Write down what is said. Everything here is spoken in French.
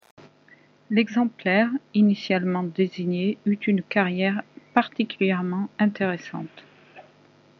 L'exemplaire initialement désigné eut une carrière particulièrement intéressante.